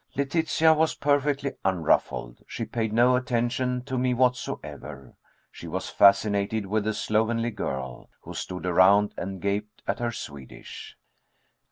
Letitia was perfectly unruffled. She paid no attention to me whatsoever. She was fascinated with the slovenly girl, who stood around and gaped at her Swedish.